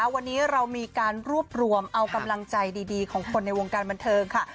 วันนี้เรามีการรวบรวมเอากำลังใจดีของคนในวงการบันเทิงค่ะ